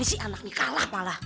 gimana sih anak ini kalah malah